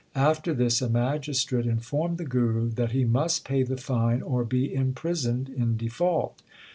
After this a magistrate informed the Guru that he must pay the fine or be imprisoned in default.